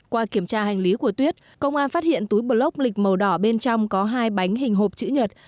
qua kiểm tra hành lý của tuyết công an phát hiện túi block lịch màu đỏ bên trong có hai bánh hình hộp chữ nhật